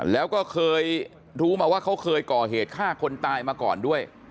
แล้วก็เคยรู้มาว่าเขาเคยก่อเหตุฆ่าคนตายมาก่อนด้วย